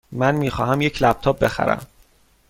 من می خواهم یک لپ تاپ بخرم.